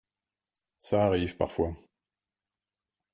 Ça arrive parfois.